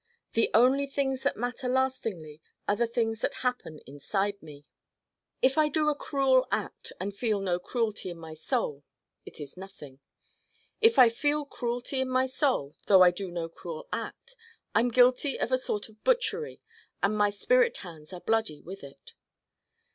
The only things that matter lastingly are the things that happen inside me. If I do a cruel act and feel no cruelty in my Soul it is nothing. If I feel cruelty in my Soul though I do no cruel act I'm guilty of a sort of butchery and my spirit hands are bloody with it.